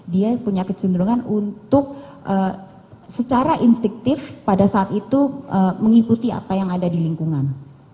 dia punya kecenderungan untuk secara instiktif pada saat itu mengikuti apa yang ada di lingkungan